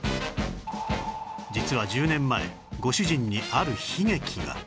実は１０年前ご主人にある悲劇が